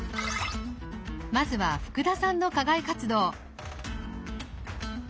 まずは福田さんの課外活動。